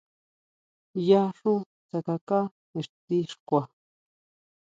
Yá xú tsakaká ixti xkua.